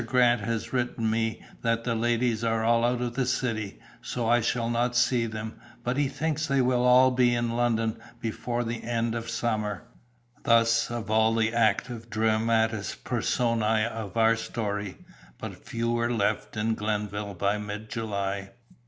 Grant has written me that the ladies are all out of the city, so I shall not see them, but he thinks they will all be in London before the end of summer." Thus of all the active dramatis personæ of our story, but few were left in Glenville by mid July.